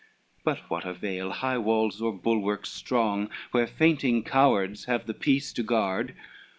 L "But what avail high walls or bulwarks strong, Where fainting cowards have the piece to guard?